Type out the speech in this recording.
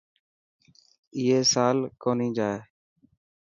اي سال ڪونهي جائي.